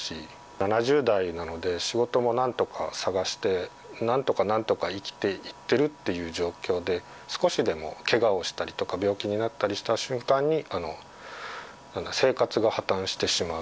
７０代なので、仕事もなんとか探して、なんとかなんとか生きていってるっていう状況で、少しでもけがをしたりとか、病気になったりした瞬間に、生活が破綻してしまう。